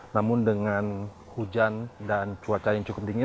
namun dengan hujan dan cuaca yang cukup dingin